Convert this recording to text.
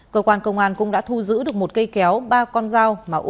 cơ quan công an cũng đã thu giữ được một cây kéo ba con dao